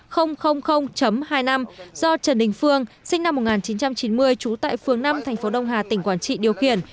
do trần đình phương sinh năm một nghìn chín trăm chín mươi trú tại phương năm thành phố đông hà tỉnh quảng trị điều khiển